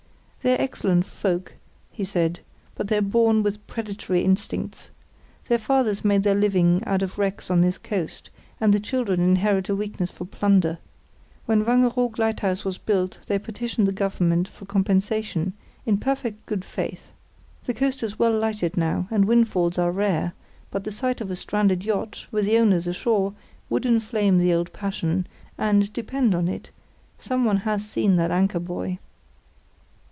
"They're excellent folk," he said, "but they're born with predatory instincts. Their fathers made their living out of wrecks on this coast, and the children inherit a weakness for plunder. When Wangeroog lighthouse was built they petitioned the Government for compensation, in perfect good faith. The coast is well lighted now, and windfalls are rare, but the sight of a stranded yacht, with the owners ashore, would inflame the old passion; and, depend upon it, someone has seen that anchor buoy."